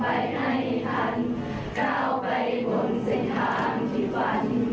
เพลงอยู่นี้เป็นเพลงที่ปอยได้บอกกับผู้หิวไว้